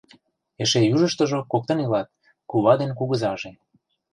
Эше южыштыжо коктын илат: кува ден кугызаже.